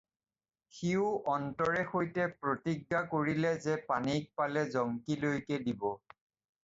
সিও অন্তৰে সৈতে প্ৰতিজ্ঞা কৰিলে যে পানেইক পালে জংকিলৈকে দিব।